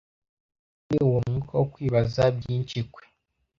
kandi uwo mwuka wo kwibaza byinshi kwe